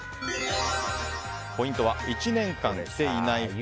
ポイントは、１年間着ていない服